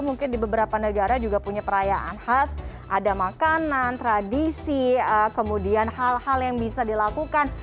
mungkin di beberapa negara juga punya perayaan khas ada makanan tradisi kemudian hal hal yang bisa dilakukan